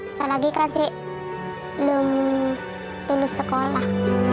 apalagi kan cik belum lulus sekolah